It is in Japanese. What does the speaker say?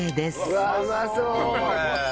うわあうまそう！